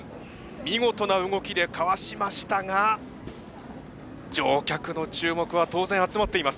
見事な動きでかわしましたが乗客の注目は当然集まっています。